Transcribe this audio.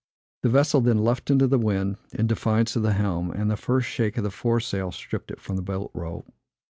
The vessel then luffed into the wind, in defiance of the helm, and the first shake of the foresail stripped it from the bolt rope.